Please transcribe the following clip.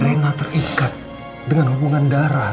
lena terikat dengan hubungan darah